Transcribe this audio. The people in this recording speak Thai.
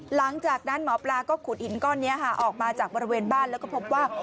หลังจากนั้นหมอปลาก็ขุดหินก้อนนี้ออกมาจากบริเวณบ้านแล้วก็พบว่า